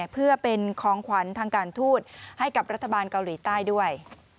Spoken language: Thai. เพื่อเป็นของขวัญทางการทูตให้กับรัฐบาลเกาหลีใต้ด้วย